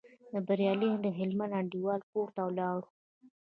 د بریالي هلمند انډیوال کور ته ولاړو.